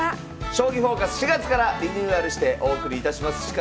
「将棋フォーカス」４月からリニューアルしてお送りいたします。